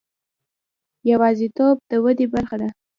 یوازیتوب د ودې برخه ده.